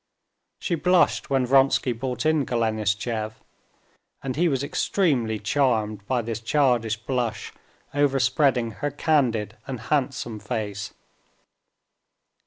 She blushed when Vronsky brought in Golenishtchev, and he was extremely charmed by this childish blush overspreading her candid and handsome face.